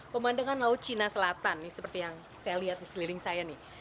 pemandangan laut cina selatan nih seperti yang saya lihat di seliling saya nih